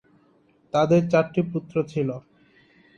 তাদের চারটি পুত্র ছিল।